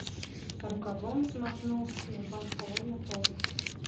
Рукавом змахнуў з ілба халодны пот.